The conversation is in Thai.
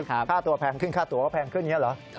ค่าตัวแพงขึ้นค่าตัวก็แพงขึ้นอย่างนี้เหรอ